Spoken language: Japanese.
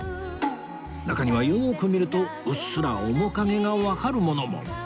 中にはよく見るとうっすら面影がわかるものも